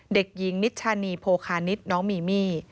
เด็กหญิงนิชชานีโพคานิตน้องมีมี่